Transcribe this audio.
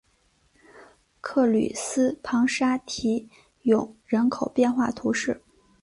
克吕斯旁沙提永人口变化图示